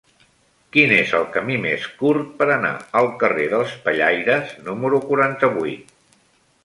Quin és el camí més curt per anar al carrer dels Pellaires número quaranta-vuit?